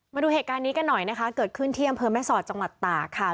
มาดูเหตุการณ์นี้กันหน่อยนะคะเกิดขึ้นที่อำเภอแม่สอดจังหวัดตากค่ะ